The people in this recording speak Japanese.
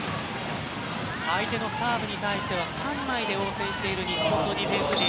相手のサーブに対しては３枚で応戦している日本のディフェンス陣。